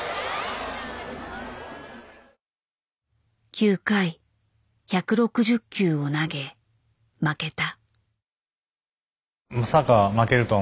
９回１６０球を投げ負けた。